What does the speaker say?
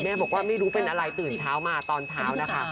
บอกว่าไม่รู้เป็นอะไรตื่นเช้ามาตอนเช้านะคะ